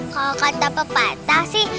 kalau kata pepatah sih